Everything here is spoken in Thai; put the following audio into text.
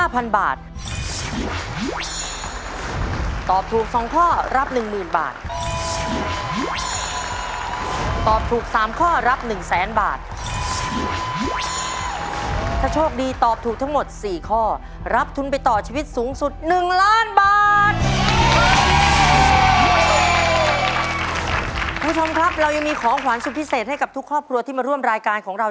คุณผู้ชมครับเรายังมีของขวัญสุดพิเศษให้กับทุกครอบครัวที่มาร่วมรายการของเรา